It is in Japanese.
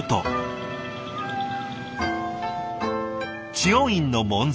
知恩院の門前。